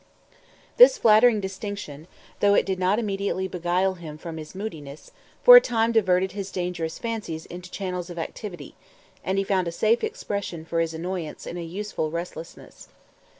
This flattering distinction, though it did not immediately beguile him from his moodiness, for a time diverted his dangerous fancies into channels of activity, and he found a safe expression for his annoyance in a useful restlessness.